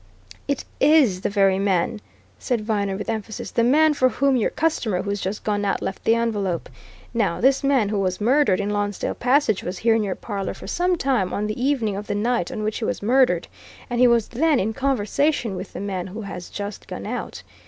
"It is the very man!" said Viner with emphasis, "the man for whom your customer who's just gone out left the envelope. Now, this man who was murdered in Lonsdale Passage was here in your parlour for some time on the evening of the night on which he was murdered, and he was then in conversation with the man who has just gone out.